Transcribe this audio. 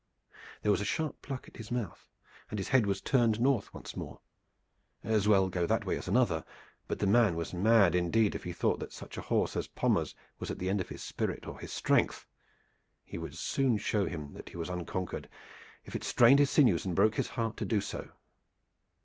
There was a sharp pluck at his mouth, and his head was turned north once more. As well go that way as another, but the man was mad indeed if he thought that such a horse as Pommers was at the end of his spirit or his strength. He would soon show him that he was unconquered, if it strained his sinews or broke his heart to do so.